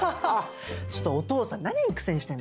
ちょっとお父さん何に苦戦してんの？